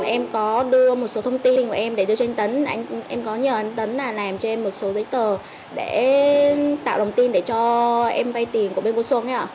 em có nhờ anh tấn làm cho em một số giấy tờ để tạo lòng tin để cho em vay tiền của bên cô xuân